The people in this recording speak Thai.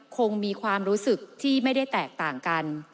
คงมีความรู้สึกที่ไม่ได้แตกต่างกัน